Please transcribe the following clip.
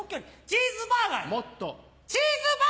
チーズバーガー！